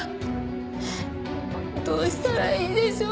どうしたらいいでしょう？